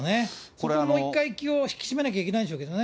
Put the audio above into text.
ここでもう一回、気を引き締めなきゃいけないんでしょうけどね。